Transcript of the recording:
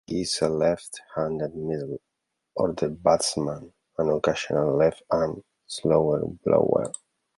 He is a left-handed middle order batsman and occasional left arm slow bowler.